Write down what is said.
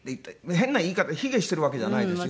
変な言い方卑下してるわけじゃないですよ。